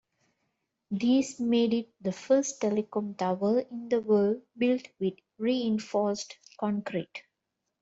This made it the first telecom tower in the world built with reinforced concrete.